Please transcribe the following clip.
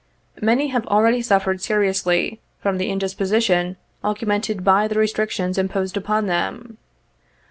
Many have already suffered seriously, from indisposition augmented by the restrictions imposed upon them.